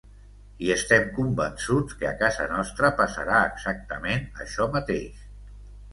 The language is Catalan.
I estem convençuts que a casa nostra passarà exactament això mateix.